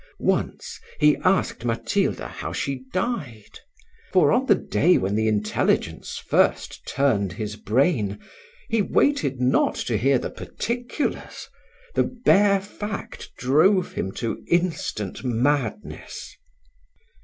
Once he asked Matilda how she died, for on the day when the intelligence first turned his brain, he waited not to hear the particulars, the bare fact drove him to instant madness.